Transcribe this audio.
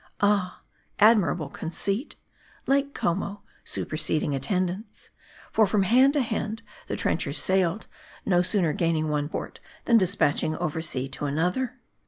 Ah! admirable 'conceit, Lake Como : superseding attendants. For, from hand to hand the trenchers sailed ; no sooner gaining one port, than dispatched over sea to another.